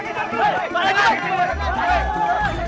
kayaknya mereka menjaga saya